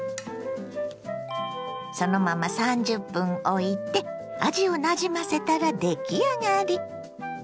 そのまま３０分おいて味をなじませたら出来上がり。